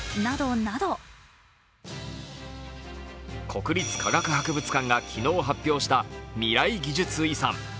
国立科学博物館が昨日発表した未来技術遺産。